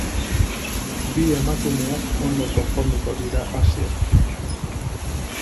Bi emakumeak ondo konponduko dira hasieratik.